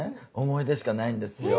思い出しかないんですよ。